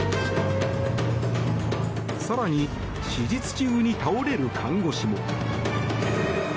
更に、手術中に倒れる看護師も。